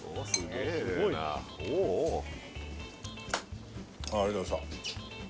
ご飯のありがとうございました